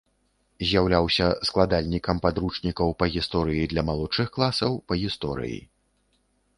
З'яўляўся складальнікам падручнікаў па гісторыі для малодшых класаў па гісторыі.